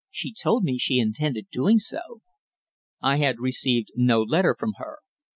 She told me she intended doing so." I had received no letter from her.